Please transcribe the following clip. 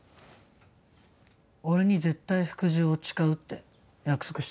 俺に絶対服従を誓うって約束したよな。